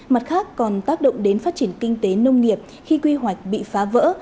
mặt khác còn tác động đến phát triển kinh tế nông nghiệp khi quy hoạch bị phá vỡ